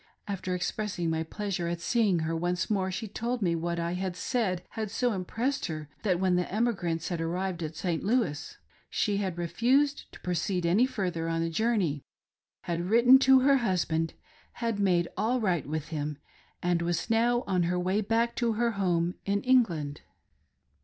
After expressing my pleasure at seeing her once more, shfe told me that what I said had so impressed her that when the emigrants had arrived at St. Louis she had refused to' proceed any further on the journCy, had written to her husband, had' made all right with him, and was now on her way hkck to her home in England. 204 THE "mormon" discontinued.